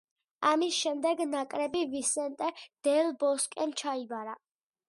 ამის შემდეგ ნაკრები ვისენტე დელ ბოსკემ ჩაიბარა.